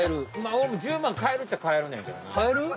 おれも１０万かえるっちゃかえるねんけどな。